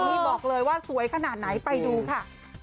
นี่บอกเลยว่าสวยขนาดไหนไปดูค่ะ